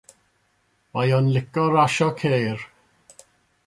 Mae o'n licio rasio ceir.